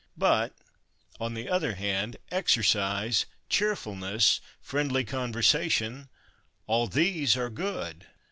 But, on the other hand, exercise, cheerfulness, friendly conversation, all these are good.